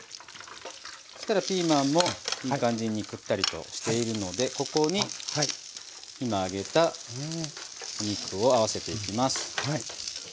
そしたらピーマンもいい感じにくったりとしているのでここに今揚げた肉を合わせていきます。